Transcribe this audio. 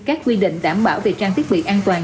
các quy định đảm bảo về trang thiết bị an toàn